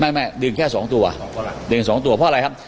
ไม่ไม่ดึงแค่สองตัวดึงสองตัวเพราะอะไรครับ